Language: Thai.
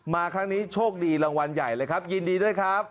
มาครั้งนี้โชคดีรางวัลใหญ่เลยครับยินดีด้วยครับ